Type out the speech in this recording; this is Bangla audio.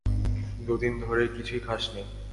দুই দিন ধরে কিছুই খাস নি।